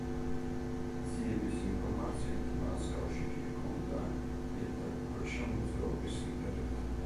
ძიების ინფორმაციით მას კავშირი ჰქონდა იატაკქვეშა მოძრაობის ლიდერებთან.